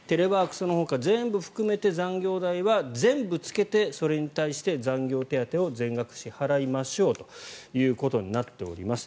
そのほか全部含めて残業時間は全部つけてそれに対して残業手当を全額支払いましょうとなっております。